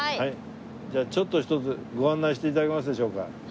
じゃあちょっとひとつご案内して頂けますでしょうか？